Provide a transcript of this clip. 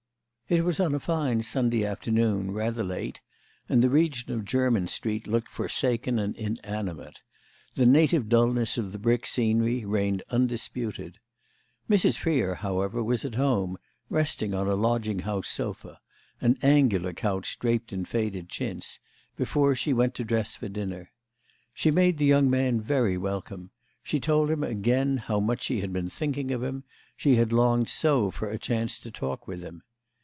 It was on a fine Sunday afternoon, rather late, and the region of Jermyn Street looked forsaken and inanimate; the native dulness of the brick scenery reigned undisputed. Mrs. Freer, however, was at home, resting on a lodging house sofa—an angular couch draped in faded chintz—before she went to dress for dinner. She made the young man very welcome; she told him again how much she had been thinking of him; she had longed so for a chance to talk with him.